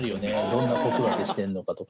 どんな子育てしてんのかとか。